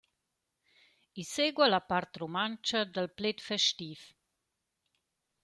I segua la part rumantscha dal pled festiv.